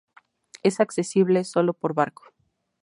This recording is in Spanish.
Es accesible sólo por barco.